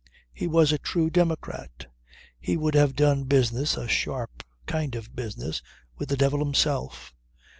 He was a true democrat; he would have done business (a sharp kind of business) with the devil himself.